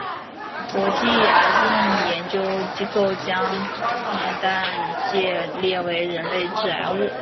国际癌症研究机构将萘氮芥列为人类致癌物。